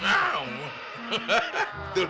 ya ampun tuh